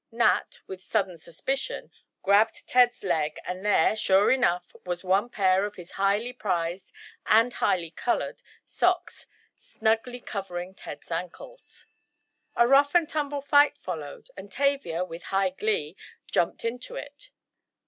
Nat, with sudden suspicion, grabbed Ted's leg, and there, sure enough, was one pair of his highly prized, and highly colored, socks, snugly covering Ted's ankles. A rough and tumble fight followed, and Tavia, with high glee, jumped into it.